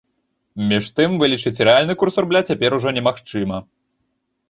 Між тым вылічыць рэальны курс рубля цяпер ужо не магчыма.